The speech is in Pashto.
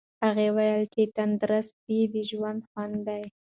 هغه وویل چې تندرستي د ژوند خوند دی.